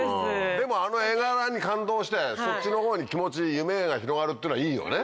でもあの絵柄に感動してそっちの方に気持ち夢が広がるっていうのはいいよね。